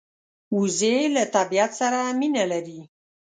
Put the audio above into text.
وزې له طبیعت سره مینه لري